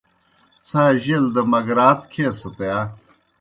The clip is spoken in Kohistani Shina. څھا جیل دہ مگراتھ کھیسَت یا؟